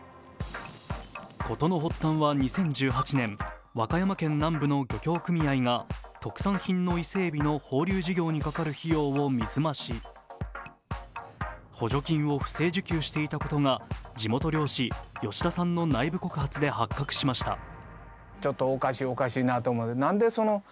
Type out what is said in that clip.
事の発端は２０１８年、和歌山県南部の漁協組合が特産品の伊勢えびの放流事業にかかる費用を水増し、補助金を不正受給していたことが地元漁師・吉田さんの内部告発で発覚しました。